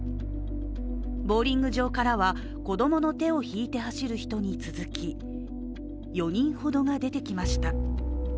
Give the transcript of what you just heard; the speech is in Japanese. ボウリング場からは子供の手を引いて走る人に続き４人ほどが出てきました。